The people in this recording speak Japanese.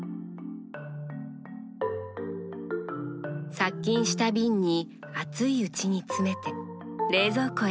殺菌した瓶に熱いうちに詰めて冷蔵庫へ。